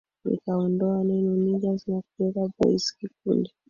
vikaondoa neno Niggaz na kuweka Boys kikundi